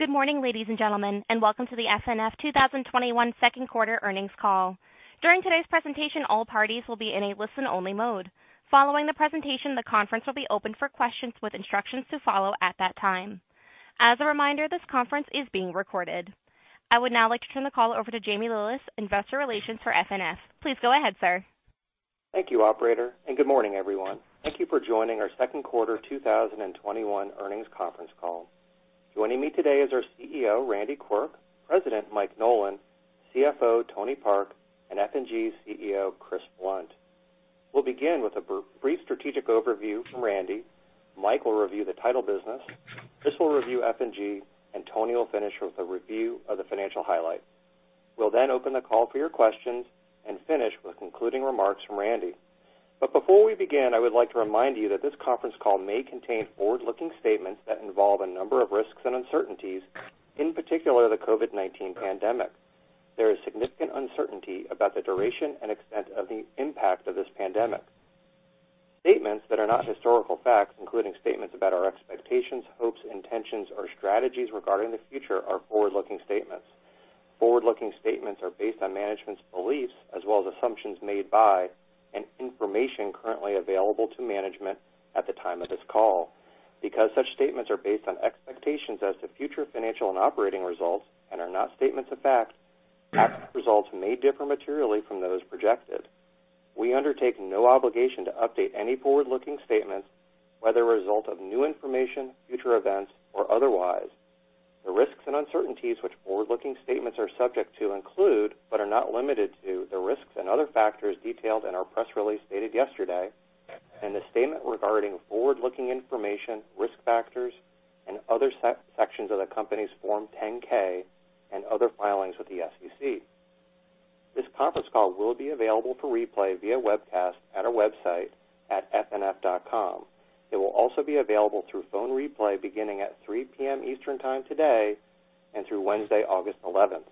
Good morning, ladies and gentlemen, and welcome to the FNF 2021 second quarter earnings call. During today's presentation, all parties will be in a listen-only mode. Following the presentation, the conference will be open for questions with instructions to follow at that time. As a reminder, this conference is being recorded. I would now like to turn the call over to Jamie Lillis, Investor Relations for FNF. Please go ahead, sir. Thank you, operator. Good morning, everyone. Thank you for joining our second quarter 2021 earnings conference call. Joining me today is our CEO, Randy Quirk, President Mike Nolan, CFO Tony Park, and F&G CEO, Chris Blunt. We'll begin with a brief strategic overview from Randy. Mike will review the title business. Chris will review F&G, and Tony will finish with a review of the financial highlights. We'll open the call for your questions and finish with concluding remarks from Randy. Before we begin, I would like to remind you that this conference call may contain forward-looking statements that involve a number of risks and uncertainties, in particular, the COVID-19 pandemic. There is significant uncertainty about the duration and extent of the impact of this pandemic. Statements that are not historical facts, including statements about our expectations, hopes, intentions, or strategies regarding the future, are forward-looking statements. Forward-looking statements are based on management's beliefs, as well as assumptions made by and information currently available to management at the time of this call. Because such statements are based on expectations as to future financial and operating results and are not statements of fact, actual results may differ materially from those projected. We undertake no obligation to update any forward-looking statements, whether a result of new information, future events, or otherwise. The risks and uncertainties which forward-looking statements are subject to include, but are not limited to, the risks and other factors detailed in our press release dated yesterday and the statement regarding forward-looking information, risk factors, and other sections of the company's Form 10-K and other filings with the SEC. This conference call will be available for replay via webcast at our website at fnf.com. It will also be available through phone replay beginning at 3:00 P.M. Eastern Time today and through Wednesday, August 11th.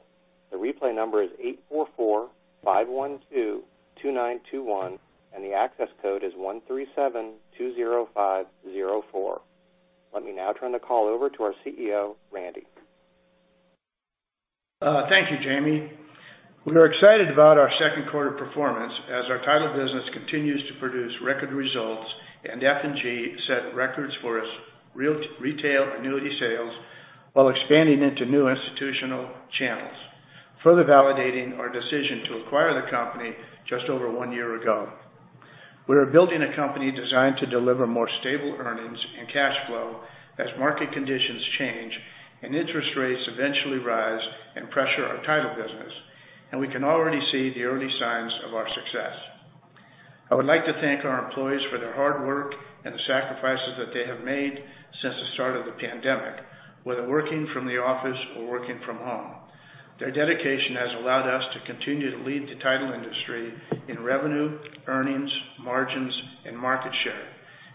The replay number is 844-512-2921, and the access code is 137-205-04. Let me now turn the call over to our CEO, Randy. Thank you, Jamie. We're excited about our second quarter performance as our title business continues to produce record results and F&G set records for its retail annuity sales while expanding into new institutional channels, further validating our decision to acquire the company just over one year ago. We are building a company designed to deliver more stable earnings and cash flow as market conditions change and interest rates eventually rise and pressure our title business, and we can already see the early signs of our success. I would like to thank our employees for their hard work and the sacrifices that they have made since the start of the pandemic, whether working from the office or working from home. Their dedication has allowed us to continue to lead the title industry in revenue, earnings, margins, and market share,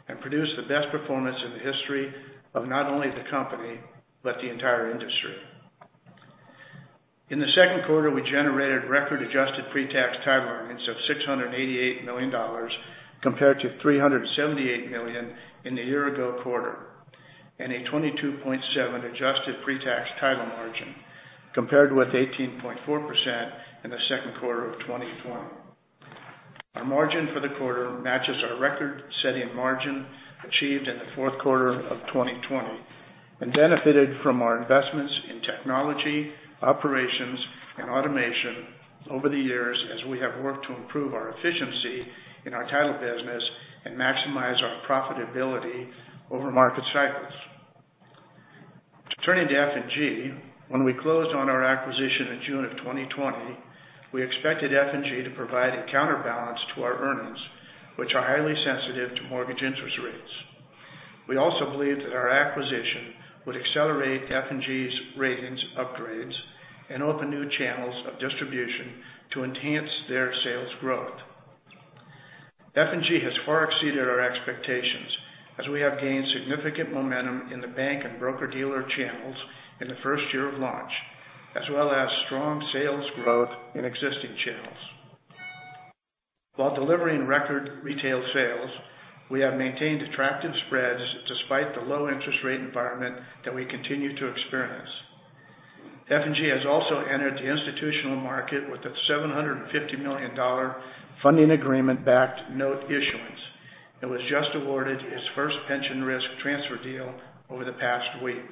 and produce the best performance in the history of not only the company, but the entire industry. In the second quarter, we generated record adjusted pre-tax title earnings of $688 million compared to $378 million in the year-ago quarter, and a 22.7% adjusted pre-tax title margin compared with 18.4% in the second quarter of 2020. Our margin for the quarter matches our record-setting margin achieved in the fourth quarter of 2020 and benefited from our investments in technology, operations, and automation over the years as we have worked to improve our efficiency in our title business and maximize our profitability over market cycles. Turning to F&G, when we closed on our acquisition in June of 2020, we expected F&G to provide a counterbalance to our earnings, which are highly sensitive to mortgage interest rates. We also believed that our acquisition would accelerate F&G's ratings upgrades and open new channels of distribution to enhance their sales growth. F&G has far exceeded our expectations as we have gained significant momentum in the bank and broker-dealer channels in the first year of launch, as well as strong sales growth in existing channels. While delivering record retail sales, we have maintained attractive spreads despite the low interest rate environment that we continue to experience. F&G has also entered the institutional market with its $750 million funding agreement-backed note issuance and was just awarded its first pension risk transfer deal over the past week.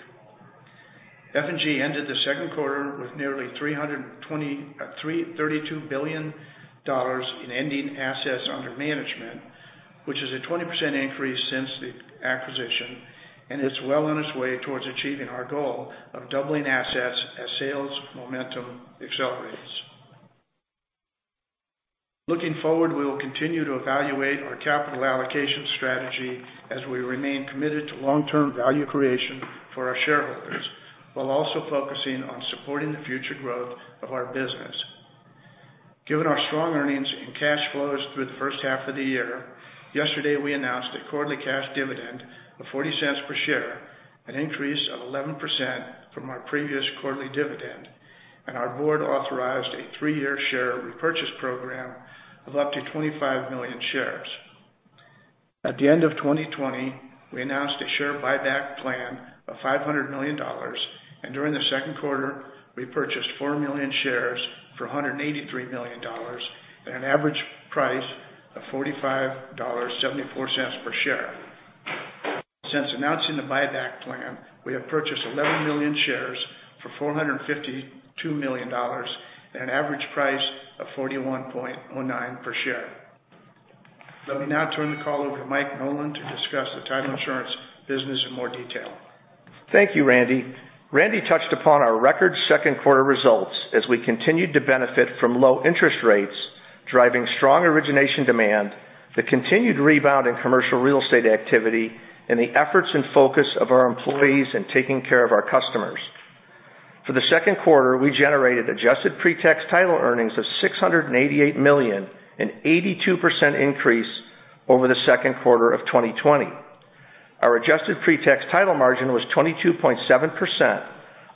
F&G ended the second quarter with nearly $32 billion in ending assets under management, which is a 20% increase since the acquisition, and it's well on its way towards achieving our goal of doubling assets as sales momentum accelerates. Looking forward, we will continue to evaluate our capital allocation strategy as we remain committed to long-term value creation for our shareholders, while also focusing on supporting the future growth of our business. Given our strong earnings and cash flows through the first half of the year, yesterday, we announced a quarterly cash dividend of $0.40 per share, an increase of 11% from our previous quarterly dividend, and our board authorized a three-year share repurchase program of up to 25 million shares. At the end of 2020, we announced a share buyback plan of $500 million, and during the second quarter, we purchased 4 million shares for $183 million at an average price of $45.74 per share. Since announcing the buyback plan, we have purchased 11 million shares for $452 million at an average price of $41.09 per share. Let me now turn the call over to Mike Nolan to discuss the title insurance business in more detail. Thank you, Randy. Randy touched upon our record second quarter results as we continued to benefit from low interest rates, driving strong origination demand, the continued rebound in commercial real estate activity, and the efforts and focus of our employees in taking care of our customers. For the second quarter, we generated adjusted pre-tax title earnings of $688 million, an 82% increase over the second quarter of 2020. Our adjusted pre-tax title margin was 22.7%,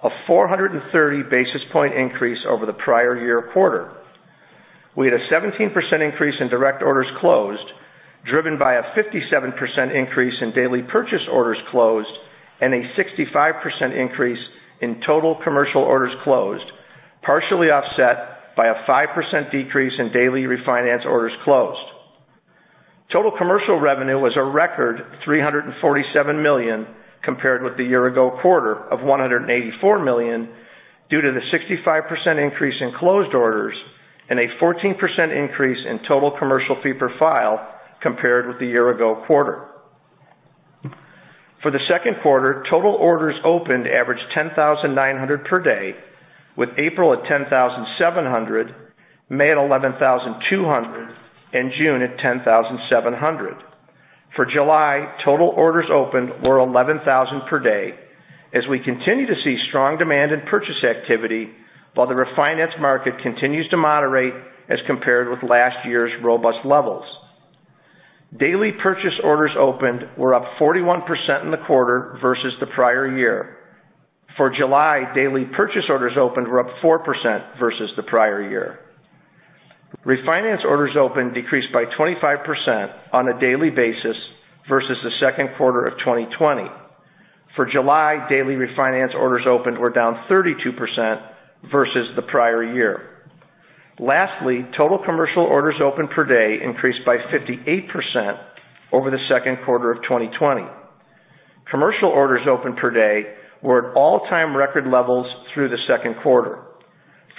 a 430 basis point increase over the prior year quarter. We had a 17% increase in direct orders closed, driven by a 57% increase in daily purchase orders closed, and a 65% increase in total commercial orders closed, partially offset by a 5% decrease in daily refinance orders closed. Total commercial revenue was a record $347 million, compared with the year ago quarter of $184 million, due to the 65% increase in closed orders and a 14% increase in total commercial fee per file compared with the year ago quarter. For the second quarter, total orders opened averaged 10,900 per day, with April at 10,700, May at 11,200, and June at 10,700. For July, total orders opened were 11,000 per day as we continue to see strong demand in purchase activity while the refinance market continues to moderate as compared with last year's robust levels. Daily purchase orders opened were up 41% in the quarter versus the prior year. For July, daily purchase orders opened were up 4% versus the prior year. Refinance orders opened decreased by 25% on a daily basis versus the second quarter of 2020. For July, daily refinance orders opened were down 32% versus the prior year. Lastly, total commercial orders opened per day increased by 58% over the second quarter of 2020. Commercial orders opened per day were at all-time record levels through the second quarter.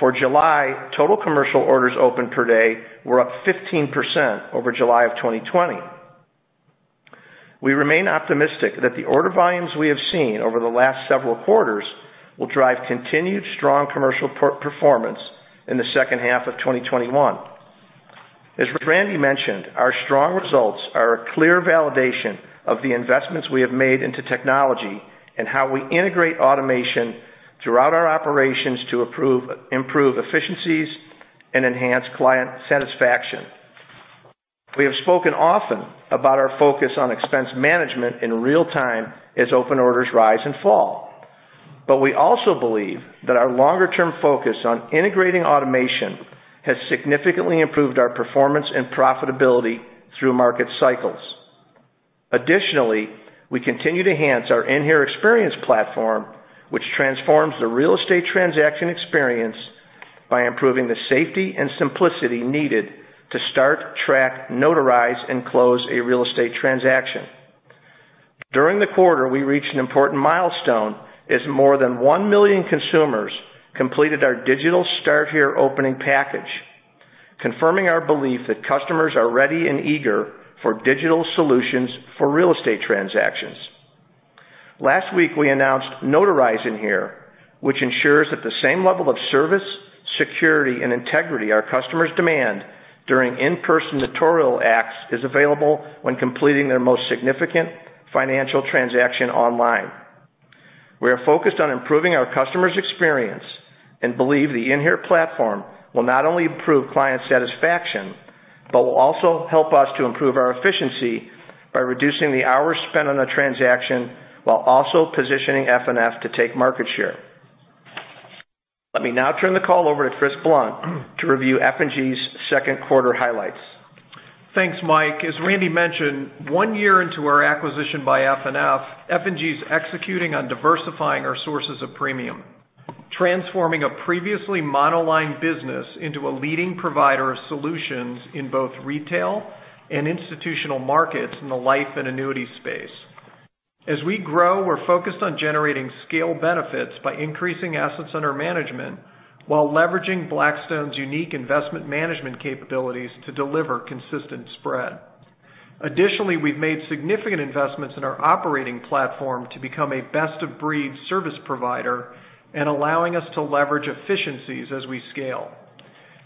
For July, total commercial orders opened per day were up 15% over July of 2020. We remain optimistic that the order volumes we have seen over the last several quarters will drive continued strong commercial performance in the second half of 2021. As Randy mentioned, our strong results are a clear validation of the investments we have made into technology and how we integrate automation throughout our operations to improve efficiencies and enhance client satisfaction. We have spoken often about our focus on expense management in real time as open orders rise and fall. We also believe that our longer-term focus on integrating automation has significantly improved our performance and profitability through market cycles. We continue to enhance our inHere experience platform, which transforms the real estate transaction experience by improving the safety and simplicity needed to start, track, notarize, and close a real estate transaction. During the quarter, we reached an important milestone as more than 1 million consumers completed our digital Start inHere opening package, confirming our belief that customers are ready and eager for digital solutions for real estate transactions. Last week, we announced Notarize inHere, which ensures that the same level of service, security, and integrity our customers demand during in-person notarial acts is available when completing their most significant financial transaction online. We are focused on improving our customer's experience and believe the inHere platform will not only improve client satisfaction, but will also help us to improve our efficiency by reducing the hours spent on a transaction while also positioning FNF to take market share. Let me now turn the call over to Chris Blunt to review F&G's second quarter highlights. Thanks, Mike. As Randy mentioned, one year into our acquisition by FNF, F&G is executing on diversifying our sources of premium, transforming a previously monoline business into a leading provider of solutions in both retail and institutional markets in the life and annuity space. As we grow, we're focused on generating scale benefits by increasing assets under management while leveraging Blackstone's unique investment management capabilities to deliver consistent spread. Additionally, we've made significant investments in our operating platform to become a best-of-breed service provider and allowing us to leverage efficiencies as we scale.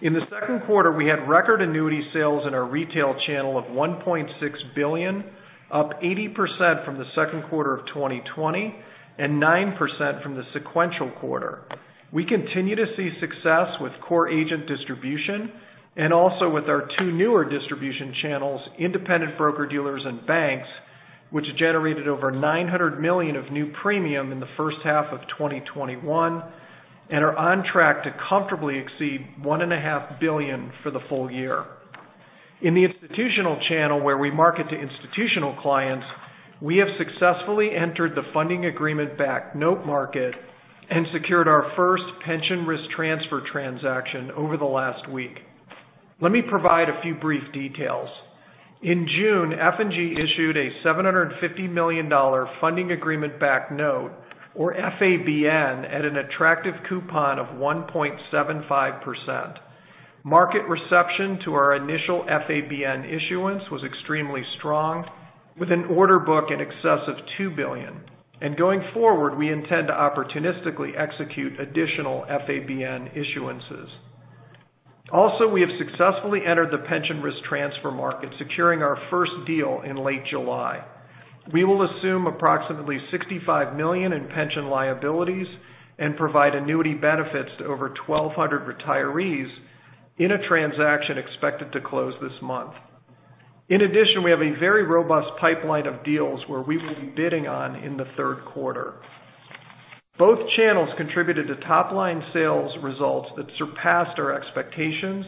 In the second quarter, we had record annuity sales in our retail channel of $1.6 billion, up 80% from the second quarter of 2020, and 9% from the sequential quarter. We continue to see success with core agent distribution and also with our two newer distribution channels, independent broker-dealers and banks, which generated over $900 million of new premium in the first half of 2021, and are on track to comfortably exceed $1.5 billion for the full year. In the institutional channel, where we market to institutional clients, we have successfully entered the funding agreement-backed note market and secured our first pension risk transfer transaction over the last week. Let me provide a few brief details. In June, F&G issued a $750 million funding agreement-backed note, or FABN, at an attractive coupon of 1.75%. Market reception to our initial FABN issuance was extremely strong, with an order book in excess of $2 billion. Going forward, we intend to opportunistically execute additional FABN issuances. We have successfully entered the pension risk transfer market, securing our first deal in late July. We will assume approximately $65 million in pension liabilities and provide annuity benefits to over 1,200 retirees in a transaction expected to close this month. We have a very robust pipeline of deals where we will be bidding on in the third quarter. Both channels contributed to top-line sales results that surpassed our expectations,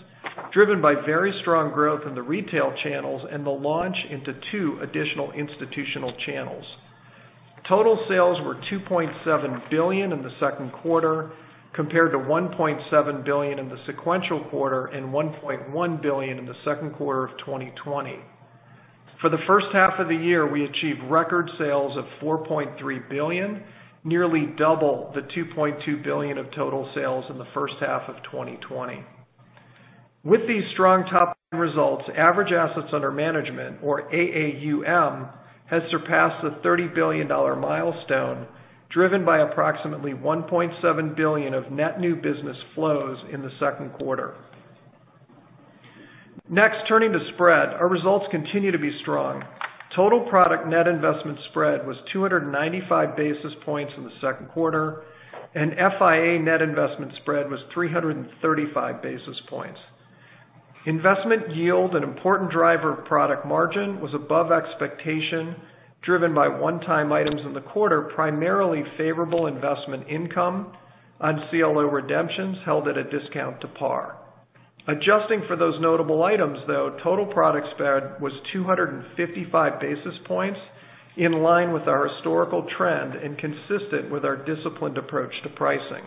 driven by very strong growth in the retail channels and the launch into two additional institutional channels. Total sales were $2.7 billion in the second quarter compared to $1.7 billion in the sequential quarter and $1.1 billion in the second quarter of 2020. For the first half of the year, we achieved record sales of $4.3 billion, nearly double the $2.2 billion of total sales in the first half of 2020. With these strong top results, average assets under management, or AUM, has surpassed the $30 billion milestone, driven by approximately $1.7 billion of net new business flows in the second quarter. Turning to spread, our results continue to be strong. Total product net investment spread was 295 basis points in the second quarter, and FIA net investment spread was 335 basis points. Investment yield, an important driver of product margin, was above expectation, driven by one-time items in the quarter, primarily favorable investment income on CLO redemptions held at a discount to par. Adjusting for those notable items, though, total product spread was 255 basis points, in line with our historical trend and consistent with our disciplined approach to pricing.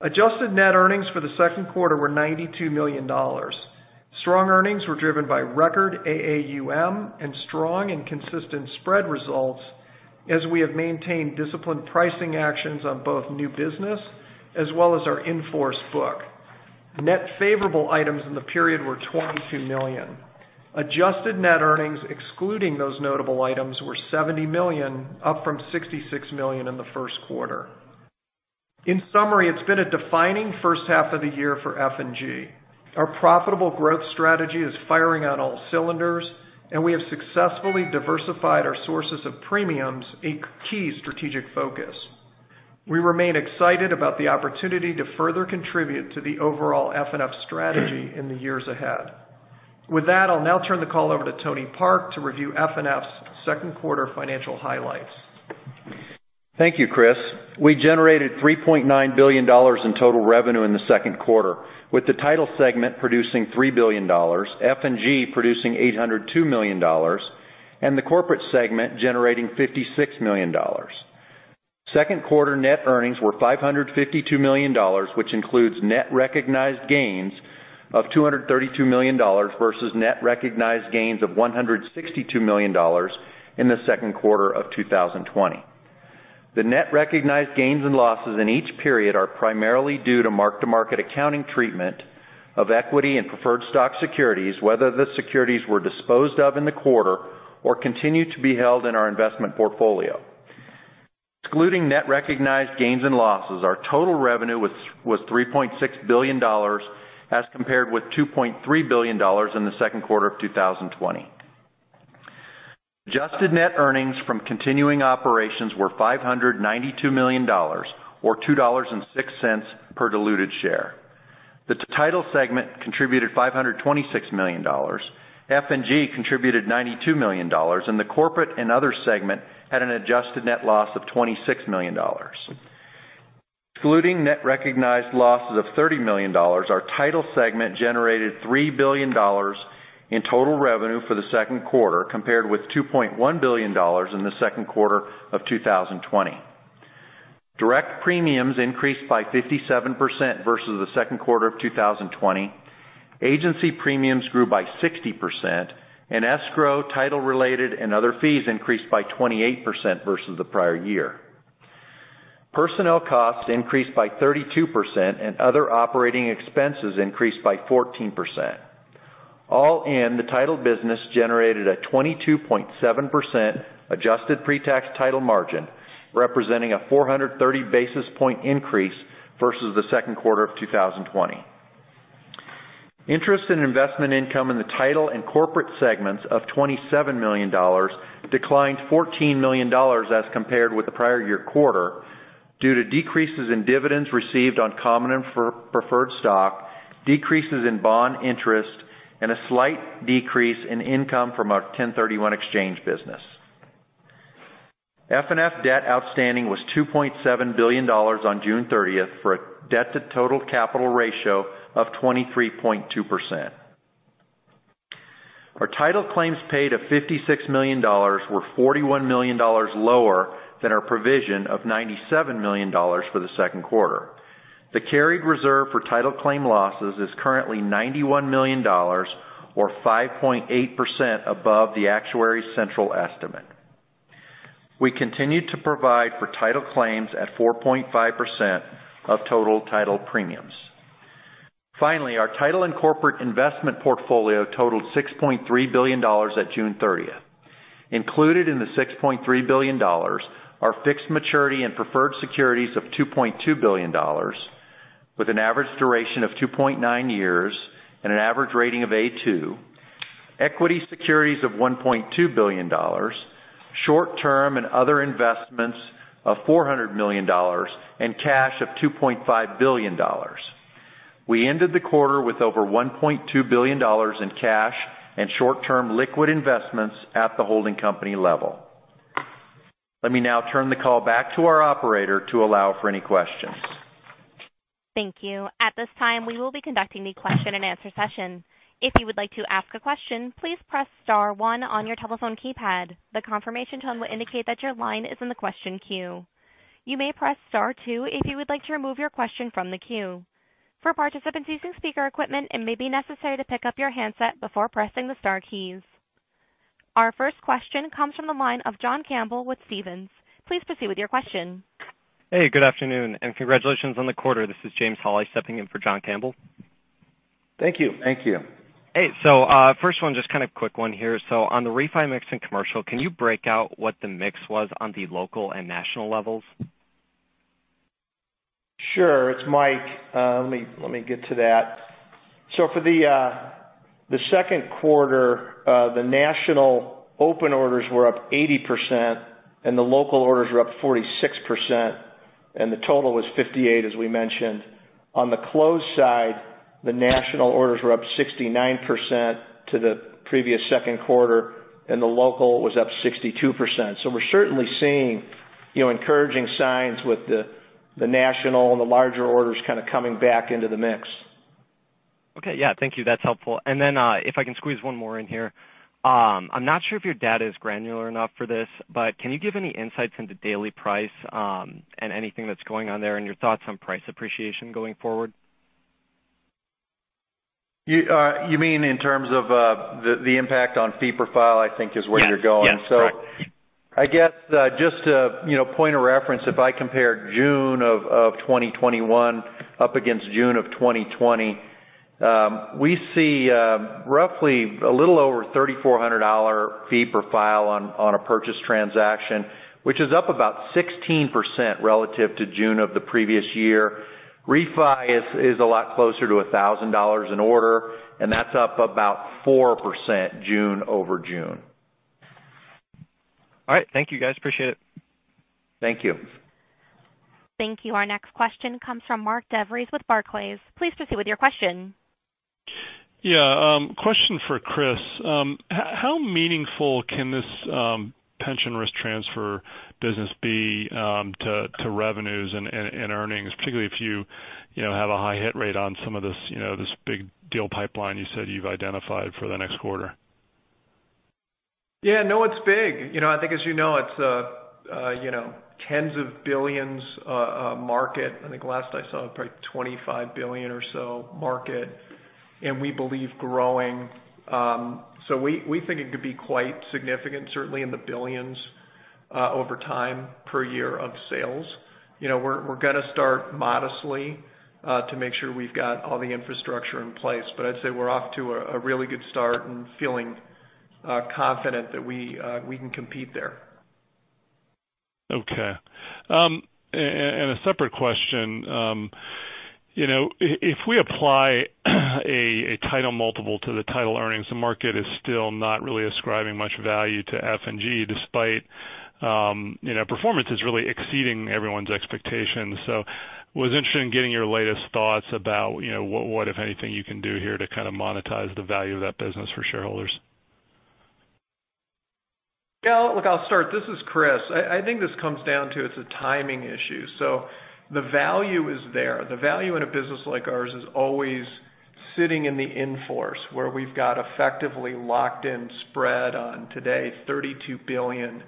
Adjusted net earnings for the second quarter were $92 million. Strong earnings were driven by record AUM and strong and consistent spread results as we have maintained disciplined pricing actions on both new business as well as our in-force book. Net favorable items in the period were $22 million. Adjusted net earnings, excluding those notable items, were $70 million, up from $66 million in the first quarter. In summary, it's been a defining first half of the year for F&G. Our profitable growth strategy is firing on all cylinders, and we have successfully diversified our sources of premiums, a key strategic focus. We remain excited about the opportunity to further contribute to the overall FNF strategy in the years ahead. With that, I'll now turn the call over to Tony Park to review FNF's second quarter financial highlights. Thank you, Chris. We generated $3.9 billion in total revenue in the second quarter, with the title segment producing $3 billion, F&G producing $802 million, and the corporate segment generating $56 million. Second quarter net earnings were $552 million, which includes net recognized gains of $232 million versus net recognized gains of $162 million in the second quarter of 2020. The net recognized gains and losses in each period are primarily due to mark-to-market accounting treatment of equity and preferred stock securities, whether the securities were disposed of in the quarter or continue to be held in our investment portfolio. Excluding net recognized gains and losses, our total revenue was $3.6 billion as compared with $2.3 billion in the second quarter of 2020. Adjusted net earnings from continuing operations were $592 million, or $2.06 per diluted share. The title segment contributed $526 million, F&G contributed $92 million, and the corporate and other segment had an adjusted net loss of $26 million. Excluding net recognized losses of $30 million, our title segment generated $3 billion in total revenue for the second quarter, compared with $2.1 billion in the second quarter of 2020. Direct premiums increased by 57% versus the second quarter of 2020. Agency premiums grew by 60%, and escrow, title-related, and other fees increased by 28% versus the prior year. Personnel costs increased by 32%, and other operating expenses increased by 14%. All in, the title business generated a 22.7% adjusted pre-tax title margin, representing a 430 basis point increase versus the second quarter of 2020. Interest in investment income in the title and corporate segments of $27 million declined $14 million as compared with the prior year quarter due to decreases in dividends received on common and preferred stock decreases in bond interest, and a slight decrease in income from our 1031 exchange business. FNF debt outstanding was $2.7 billion on June 30th, for a debt to total capital ratio of 23.2%. Our title claims paid of $56 million were $41 million lower than our provision of $97 million for the second quarter. The carried reserve for title claim losses is currently $91 million, or 5.8% above the actuary's central estimate. We continue to provide for title claims at 4.5% of total title premiums. Finally, our title and corporate investment portfolio totaled $6.3 billion at June 30th. Included in the $6.3 billion are fixed maturity and preferred securities of $2.2 billion, with an average duration of 2.9 years and an average rating of A2, equity securities of $1.2 billion, short-term and other investments of $400 million and cash of $2.5 billion. We ended the quarter with over $1.2 billion in cash and short-term liquid investments at the holding company level. Let me now turn the call back to our operator to allow for any questions. Thank you. At this time, we will be conducting the question-and-answer session. If you would like to ask a question, please press star one on your telephone keypad. The confirmation tone will indicate that your line is in the question queue. You may press star two if you would like to remove your question from the queue. For participants using speaker equipment, it may be necessary to pick up your handset before pressing the star keys. Our first question comes from the line of John Campbell with Stephens. Please proceed with your question. Hey, good afternoon, and congratulations on the quarter. This is James Holley stepping in for John Campbell. Thank you. Thank you. Hey, first one, just kind of quick one here. On the refi mix and commercial, can you break out what the mix was on the local and national levels? Sure. It's Mike. Let me get to that. For the second quarter, the national open orders were up 80% and the local orders were up 46%, and the total was 58%, as we mentioned. On the close side, the national orders were up 69% to the previous second quarter, and the local was up 62%. We're certainly seeing encouraging signs with the national and the larger orders kind of coming back into the mix. Okay. Yeah, thank you. That's helpful. Then, if I can squeeze one more in here. I'm not sure if your data is granular enough for this, but can you give any insights into daily price, and anything that's going on there, and your thoughts on price appreciation going forward? You mean in terms of the impact on fee per file, I think is where you're going. Yes. I guess just a point of reference, if I compare June of 2021 up against June of 2020, we see roughly a little over $3,400 fee per file on a purchase transaction, which is up about 16% relative to June of the previous year. Refi is a lot closer to $1,000 an order, and that's up about 4% June over June. All right. Thank you, guys. Appreciate it. Thank you. Thank you. Our next question comes from Mark DeVries with Barclays. Please proceed with your question. Yeah. Question for Chris. How meaningful can this pension risk transfer business be to revenues and earnings, particularly if you have a high hit rate on some of this big deal pipeline you said you've identified for the next quarter? No, it's big. I think, as you know, it's tens of billions market. I think last I saw, probably $25 billion or so market, and we believe growing. We think it could be quite significant, certainly in the billions over time per year of sales. We're going to start modestly to make sure we've got all the infrastructure in place. I'd say we're off to a really good start and feeling confident that we can compete there. Okay. A separate question. If we apply a title multiple to the title earnings, the market is still not really ascribing much value to F&G despite performance is really exceeding everyone's expectations. I was interested in getting your latest thoughts about what, if anything, you can do here to kind of monetize the value of that business for shareholders. Yeah. Look, I'll start. This is Chris. I think this comes down to it's a timing issue. The value is there. The value in a business like ours is always sitting in the in-force, where we've got effectively locked in spread on, today, $32 billion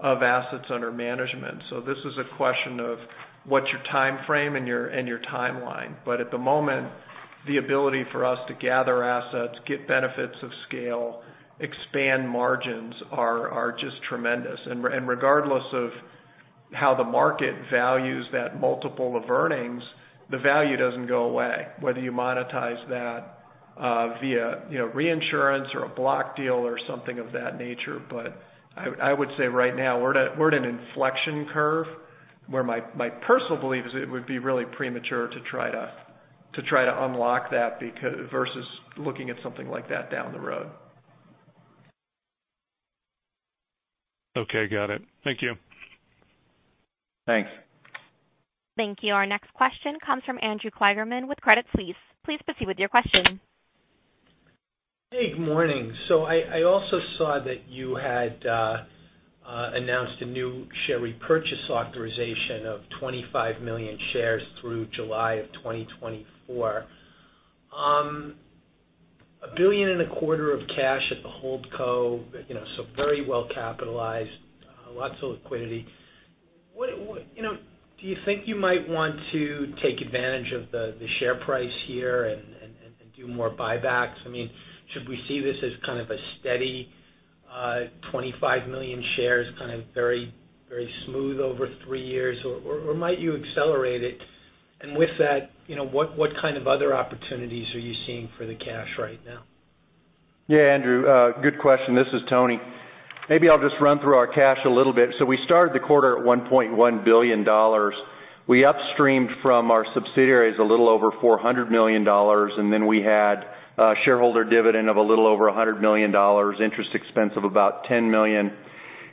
of assets under management. This is a question of what's your time frame and your timeline. At the moment, the ability for us to gather assets, get benefits of scale, expand margins are just tremendous. Regardless of how the market values that multiple of earnings, the value doesn't go away, whether you monetize that via reinsurance or a block deal or something of that nature. I would say right now, we're at an inflection curve where my personal belief is it would be really premature to try to unlock that versus looking at something like that down the road. Okay. Got it. Thank you. Thanks. Thank you. Our next question comes from Andrew Kligerman with Credit Suisse. Please proceed with your question. Hey, good morning. I also saw that you had announced a new share repurchase authorization of 25 million shares through July 2024. $1.25 billion of cash at the holdco, so very well capitalized, lots of liquidity. Do you think you might want to take advantage of the share price here and do more buybacks? Should we see this as kind of a steady 25 million shares, kind of very smooth over three years? Might you accelerate it? With that, what kind of other opportunities are you seeing for the cash right now? Andrew, good question. This is Tony. Maybe I'll just run through our cash a little bit. We started the quarter at $1.1 billion. We upstreamed from our subsidiaries a little over $400 million, and then we had a shareholder dividend of a little over $100 million, interest expense of about $10 million,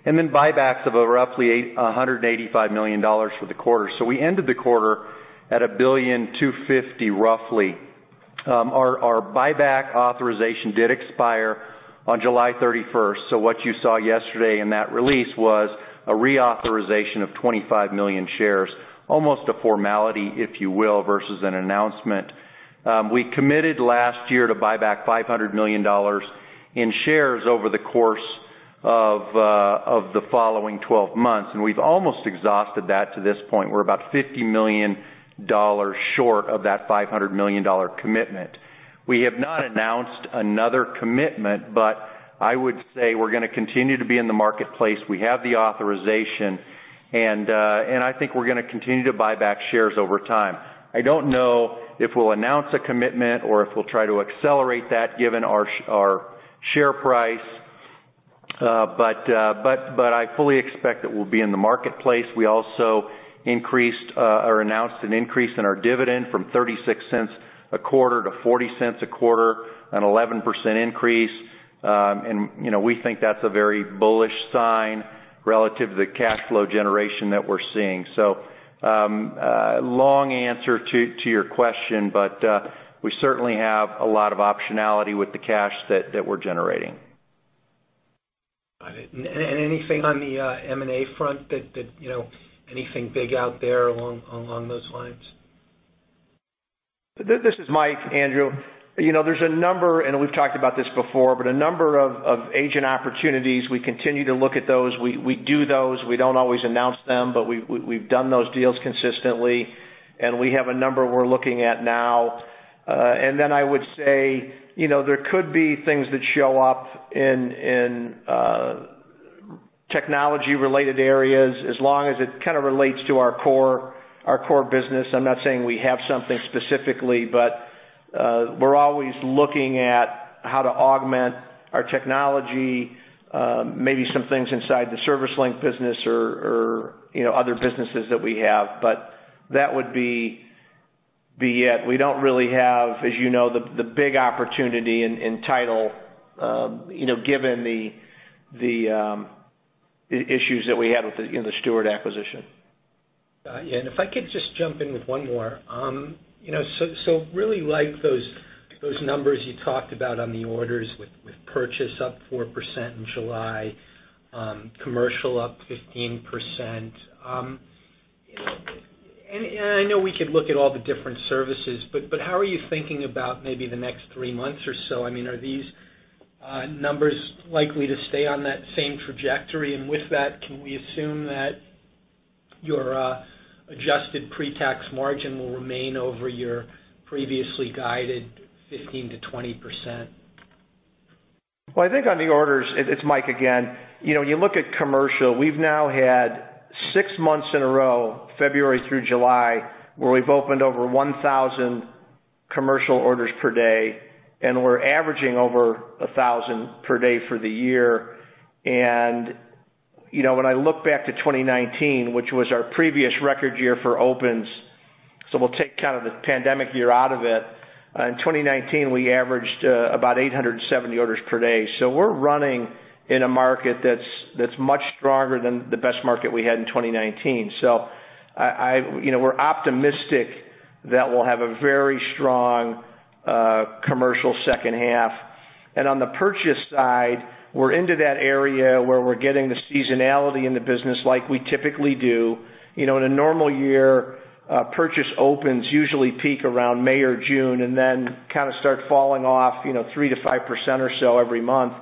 and then buybacks of roughly $185 million for the quarter. We ended the quarter at $1.25 billion roughly. Our buyback authorization did expire on July 31st. What you saw yesterday in that release was a reauthorization of 25 million shares. Almost a formality, if you will, versus an announcement. We committed last year to buy back $500 million in shares over the course of the following 12 months, and we've almost exhausted that to this point. We're about $50 million short of that $500 million commitment. We have not announced another commitment, but I would say we're going to continue to be in the marketplace. We have the authorization, and I think we're going to continue to buy back shares over time. I don't know if we'll announce a commitment or if we'll try to accelerate that given our share price, but I fully expect that we'll be in the marketplace. We also increased or announced an increase in our dividend from $0.36 a quarter to $0.40 a quarter, an 11% increase, and we think that's a very bullish sign relative to the cash flow generation that we're seeing. Long answer to your question, but we certainly have a lot of optionality with the cash that we're generating. Got it. Anything on the M&A front anything big out there along those lines? This is Mike, Andrew. There's a number, and we've talked about this before, but a number of agent opportunities. We continue to look at those. We do those. We don't always announce them, but we've done those deals consistently, and we have a number we're looking at now. Then I would say, there could be things that show up in technology-related areas as long as it kind of relates to our core business. I'm not saying we have something specifically, but we're always looking at how to augment our technology. Maybe some things inside the ServiceLink business or other businesses that we have. That would be yet. We don't really have, as you know, the big opportunity in title given the issues that we had in the Stewart acquisition. Got you. If I could just jump in with one more. Really like those numbers you talked about on the orders with purchase up 4% in July, commercial up 15%. I know we could look at all the different services, but how are you thinking about maybe the next three months or so? Are these numbers likely to stay on that same trajectory? With that, can we assume that your adjusted pre-tax margin will remain over your previously guided 15%-20%? Well, I think on the orders, it's Mike again. You look at commercial. We've now had 6 months in a row, February through July, where we've opened over 1,000 commercial orders per day, and we're averaging over 1,000 per day for the year. When I look back to 2019, which was our previous record year for opens, we'll take kind of the pandemic year out of it. In 2019, we averaged about 870 orders per day. We're running in a market that's much stronger than the best market we had in 2019. We're optimistic that we'll have a very strong commercial second half. On the purchase side, we're into that area where we're getting the seasonality in the business like we typically do. In a normal year, purchase opens usually peak around May or June, then kind of start falling off 3%-5% or so every month.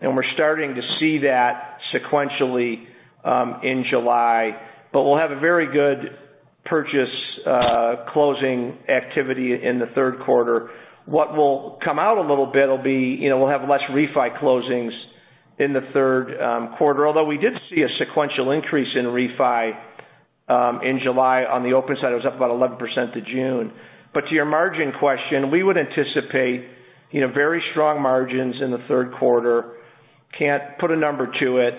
We're starting to see that sequentially in July. We'll have a very good purchase closing activity in the third quarter. What will come out a little bit will be we'll have less refi closings in the third quarter, although we did see a sequential increase in refi in July on the open side. It was up about 11% to June. To your margin question, we would anticipate very strong margins in the third quarter. Can't put a number to it,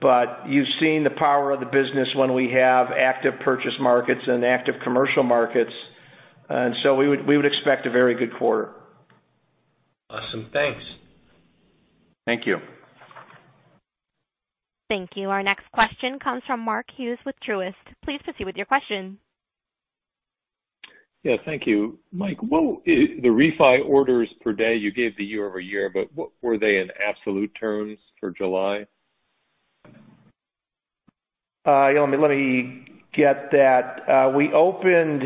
but you've seen the power of the business when we have active purchase markets and active commercial markets. We would expect a very good quarter. Awesome. Thanks. Thank you. Thank you. Our next question comes from Mark Hughes with Truist. Please proceed with your question. Yeah, thank you. Mike, what were the refi orders per day? You gave the year-over-year, but what were they in absolute terms for July? Yeah, let me get that. We opened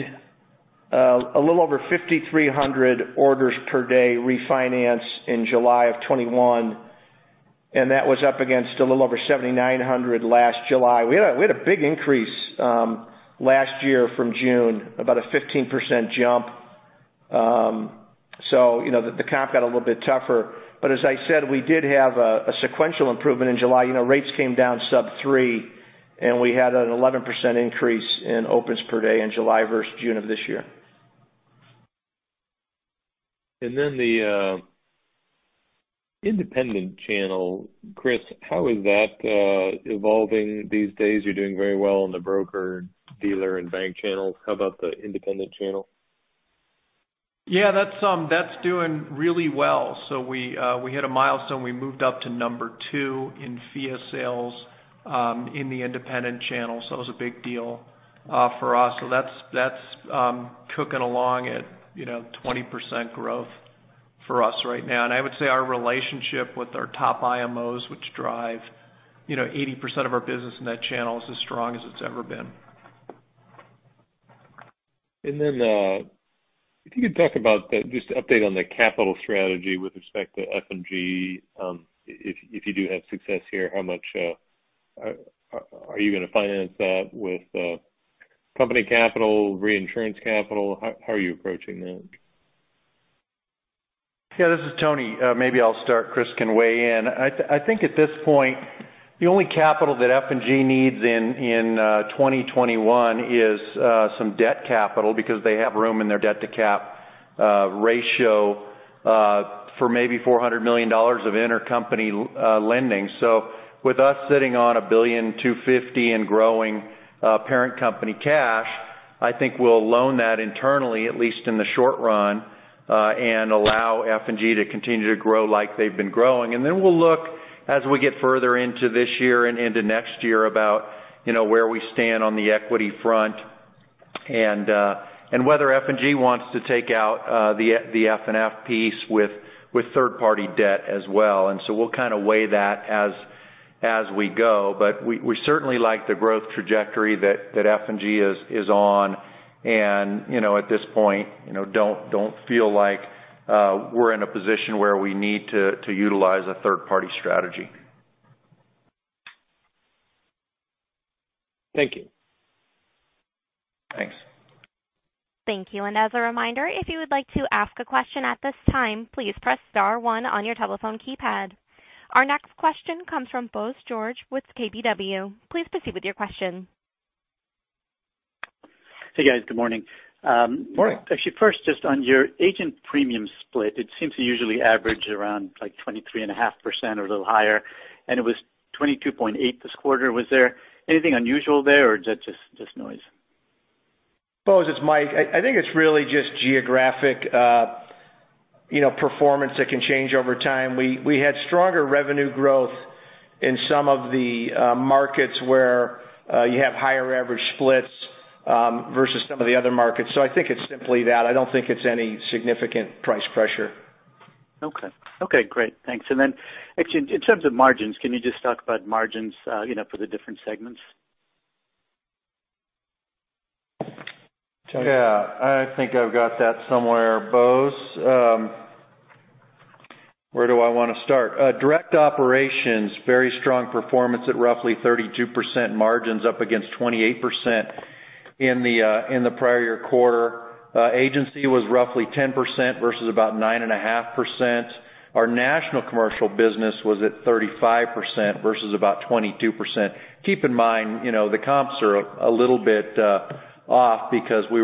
a little over 5,300 orders per day refinance in July of 2021. That was up against a little over 7,900 last July. We had a big increase last year from June, about a 15% jump. The comp got a little bit tougher. As I said, we did have a sequential improvement in July. Rates came down sub three. We had an 11% increase in opens per day in July versus June of this year. The independent channel. Chris, how is that evolving these days? You're doing very well in the broker-dealer, and bank channels. How about the independent channel? That's doing really well. We hit a milestone. We moved up to number two in FIA sales in the independent channel. It was a big deal for us. That's cooking along at 20% growth for us right now. I would say our relationship with our top IMOs, which drive 80% of our business in that channel, is as strong as it's ever been. If you could talk about that, just update on the capital strategy with respect to F&G. If you do have success here, how much are you going to finance that with company capital, reinsurance capital? How are you approaching that? This is Tony. Maybe I'll start. Chris can weigh in. I think at this point, the only capital that F&G needs in 2021 is some debt capital, because they have room in their debt-to-cap ratio for maybe $400 million of intercompany lending. With us sitting on $1.25 billion and growing parent company cash, I think we'll loan that internally, at least in the short run, and allow F&G to continue to grow like they've been growing. We'll look as we get further into this year and into next year about where we stand on the equity front and whether F&G wants to take out the FNF piece with third-party debt as well. We'll kind of weigh that as we go. We certainly like the growth trajectory that F&G is on and at this point don't feel like we're in a position where we need to utilize a third-party strategy. Thank you. Thanks. Thank you. As a reminder, if you would like to ask a question at this time, please press star one on your telephone keypad. Our next question comes from Bose George with KBW. Please proceed with your question. Hey, guys. Good morning. Morning. Actually, first, just on your agent premium split, it seems to usually average around 23.5% or a little higher. It was 22.8% this quarter. Was there anything unusual there or is that just noise? Bose, it's Mike. I think it's really just geographic performance that can change over time. We had stronger revenue growth in some of the markets where you have higher average splits versus some of the other markets. I think it's simply that. I don't think it's any significant price pressure. Okay. Okay, great. Thanks. Actually, in terms of margins, can you just talk about margins for the different segments? I think I've got that somewhere, Bose. Where do I want to start? Direct operations, very strong performance at roughly 32% margins up against 28% in the prior year quarter. Agency was roughly 10% versus about 9.5%. Our national commercial business was at 35% versus about 22%. Keep in mind, the comps are a little bit off because we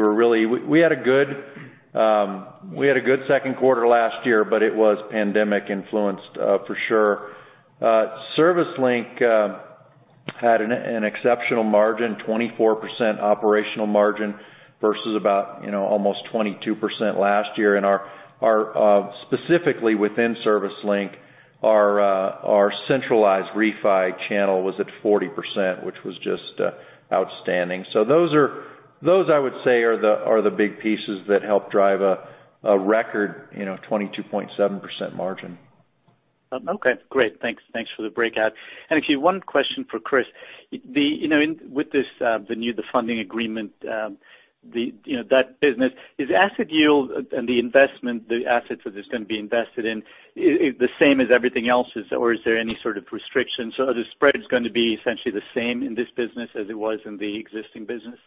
had a good second quarter last year, but it was pandemic influenced for sure. ServiceLink had an exceptional margin, 24% operational margin versus about almost 22% last year. Specifically within ServiceLink, our centralized refi channel was at 40%, which was just outstanding. Those, I would say, are the big pieces that help drive a record 22.7% margin. Okay, great. Thanks. Thanks for the breakout. Actually, one question for Chris. With this, the new funding agreement, that business, is asset yield and the investment, the assets that it's going to be invested in the same as everything else's or is there any sort of restrictions? Are the spreads going to be essentially the same in this business as it was in the existing business?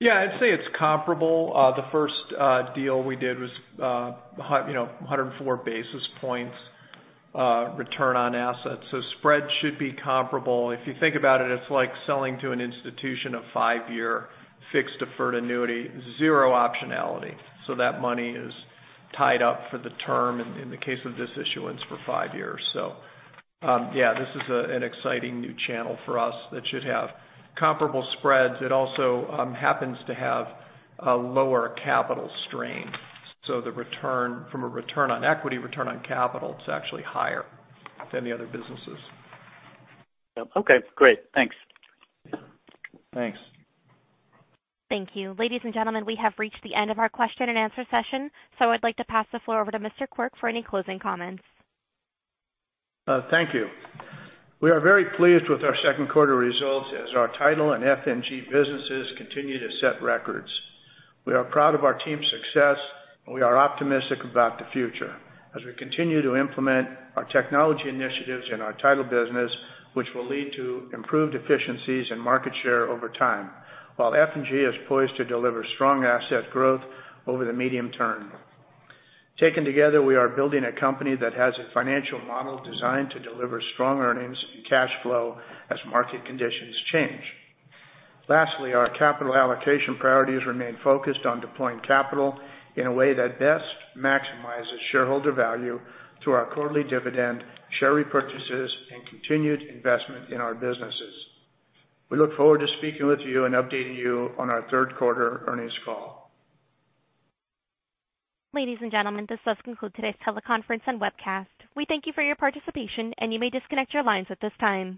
Yeah, I'd say it's comparable. The first deal we did was 104 basis points return on assets. Spread should be comparable. If you think about it's like selling to an institution, a 5-year fixed deferred annuity, 0 optionality. That money is tied up for the term, in the case of this issuance, for 5 years. Yeah, this is an exciting new channel for us that should have comparable spreads. It also happens to have a lower capital strain. From a return on equity, return on capital, it's actually higher than the other businesses. Okay, great. Thanks. Thanks. Thank you. Ladies and gentlemen, we have reached the end of our question and answer session, so I'd like to pass the floor over to Randy Quirk for any closing comments. Thank you. We are very pleased with our second quarter results as our title and F&G businesses continue to set records. We are proud of our team's success, and we are optimistic about the future as we continue to implement our technology initiatives in our title business, which will lead to improved efficiencies and market share over time. While F&G is poised to deliver strong asset growth over the medium term. Taken together, we are building a company that has a financial model designed to deliver strong earnings and cash flow as market conditions change. Lastly, our capital allocation priorities remain focused on deploying capital in a way that best maximizes shareholder value through our quarterly dividend, share repurchases, and continued investment in our businesses. We look forward to speaking with you and updating you on our third quarter earnings call. Ladies and gentlemen, this does conclude today's teleconference and webcast. We thank you for your participation, and you may disconnect your lines at this time.